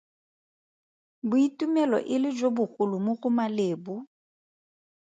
Boitumelo e le jo bogolo mo go Malebo.